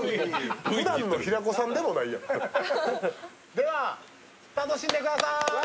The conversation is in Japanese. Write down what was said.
では楽しんでください。